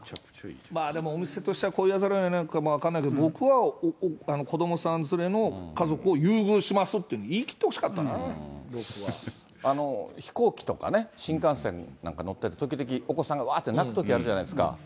でもお店としてはこう言わざるをえないのかも分かんないけど、僕は子どもさん連れの家族を優遇しますって、言いきってほしかっ飛行機とかね、新幹線なんか乗ってると時々お子さんがわーって泣くときあるじゃないですか。